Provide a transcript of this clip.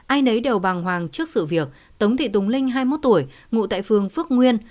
ai nấy đều bàng hoàng trước sự việc tống thị tùng linh hai mươi một tuổi ngụ tại phương phước nguyên